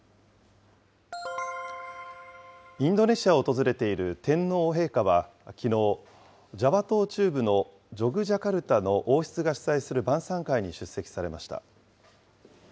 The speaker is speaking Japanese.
インドネシアを訪れている天皇陛下はきのう、ジャワ島中部のジョグジャカルタの王室が主催する晩さん会に出席されました。